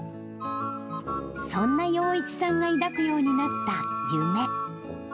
そんな洋一さんが抱くようになった夢。